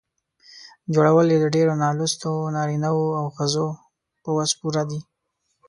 جوړول یې د ډېرو نالوستو نارینه وو او ښځو په وس پوره دي.